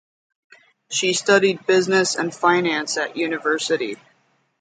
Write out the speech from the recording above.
She studied business and finance at university.